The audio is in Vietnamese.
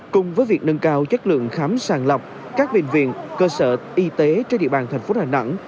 cùng với việc nâng cao chất lượng khám sàng lọc các bệnh viện cơ sở y tế trên địa bàn thành phố đà nẵng